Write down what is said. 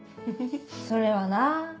それはな